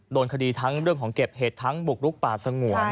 โดนคดีทั้งเรื่องของเก็บเห็ดทั้งบุกลุกป่าสงวน